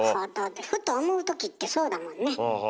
ふと思う時ってそうだもんね。